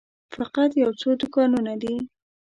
فقط یو څو دوکانونه دي.